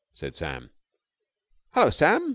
said Sam. "Hullo, Sam!"